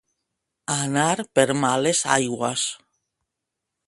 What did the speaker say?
Anar per males aigües.